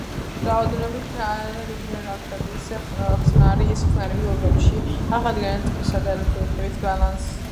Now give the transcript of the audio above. რაოდენობით ან რინგერ–ლაქტატის ხსნარი; ეს ხსნარები ორგანიზმში აღადგენენ წყლისა და ელექტროლიტების ბალანსს.